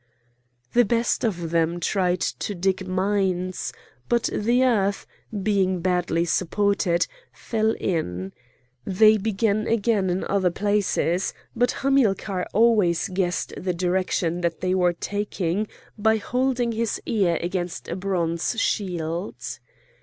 The best of them tried to dig mines, but the earth, being badly supported, fell in. They began again in other places, but Hamilcar always guessed the direction that they were taking by holding his ear against a bronze shield.